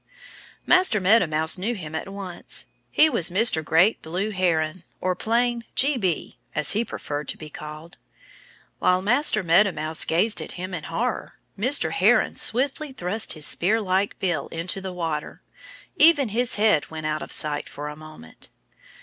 Master Meadow Mouse knew him at once. He was Mr. Great Blue Heron or plain "G. B." as he preferred to be called. While Master Meadow Mouse gazed at him in horror Mr. Heron swiftly thrust his spearlike bill into the water. Even his head went out of sight for a moment.